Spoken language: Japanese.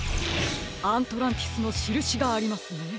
アントランティスのしるしがありますね。